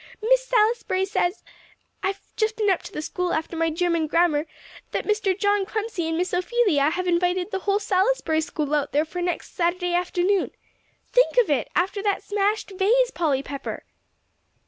"Miss Salisbury says I've just been up to the school after my German grammar that Mr. John Clemcy and Miss Ophelia have invited the whole Salisbury School out there for next Saturday afternoon. Think of it, after that smashed vase, Polly Pepper!"